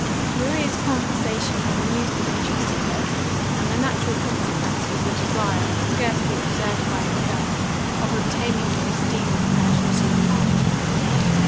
Maria's conversation had amused and interested her, and the natural consequence was a desire, scarcely observed by herself, of obtaining the esteem of a person she admired.